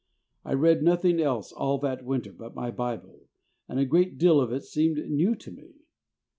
I read nothing else all that Winter but my Bible, and a great deal of it seemed new to me.